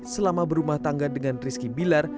selama berumah tangga dengan rizky bilar